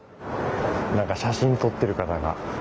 何か写真撮ってる方が。